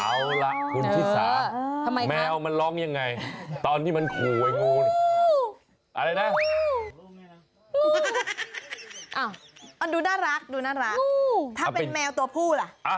เอาล่ะคุณฮิษาแมวมันร้องยังไงตอนที่มันขู่ไอ้งู